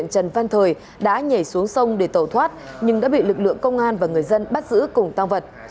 trần văn thời đã nhảy xuống sông để tẩu thoát nhưng đã bị lực lượng công an và người dân bắt giữ cùng tăng vật